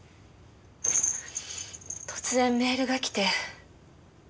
突然メールがきて。